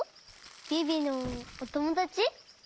ビビのおともだち？